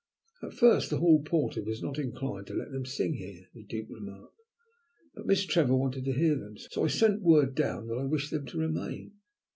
"At first the hall porter was not inclined to let them sing here," the Duke remarked, "but Miss Trevor wanted to hear them, so I sent word down that I wished them to remain."